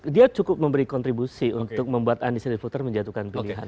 dia cukup memberi kontribusi untuk membuat undecided voter menjatuhkan pilihan